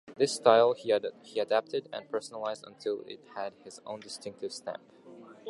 This style he adapted and personalised until it had his own distinctive stamp.